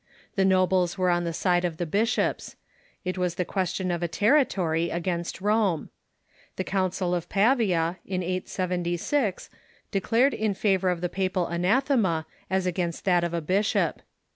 The nobles Avere on the side of the bishops. It was the question of a territory against Rome. The Council of Pavia, in 876, declared in favor of the papal anathema as against that of a bishop.